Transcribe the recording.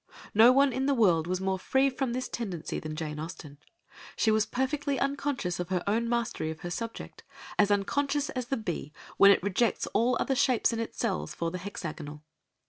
No one in the world was more free from this tendency than Jane Austen, she was perfectly unconscious of her own mastery of her subject, as unconscious as the bee when it rejects all other shapes in its cells for the hexagonal.